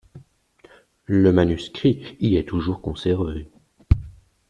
Le manuscrit y est toujours conservé.